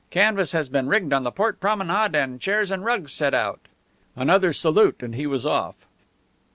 Canvas has been rigged on the port promenade and chairs and rugs set out." Another salute and he was off.